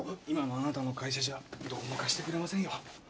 今のあなたの会社じゃどこも貸してくれませんよ。